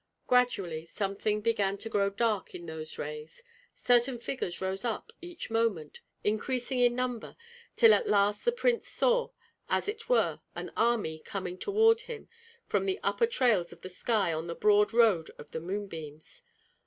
Gradually something began to grow dark in those rays; certain figures rose up each moment, increasing in number, till at last the prince saw as it were an army coming toward him from the upper trails of the sky on the broad road of the moonbeams.